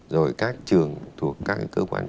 rồi các trường thuộc các cơ quan